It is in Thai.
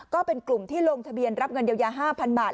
ก็เป็นกลุ่มที่ลงทะเบียนรับเงินเยียวยา๕๐๐บาท